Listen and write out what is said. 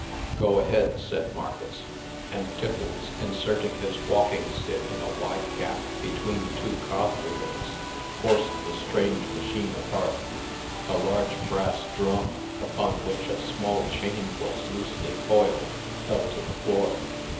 "Go ahead," said Marcus; and Tiffles, inserting his walking stick in a wide gap between two cog wheels, forced the strange machine apart. A large brass drum upon which a small chain was loosely coiled, fell to the floor.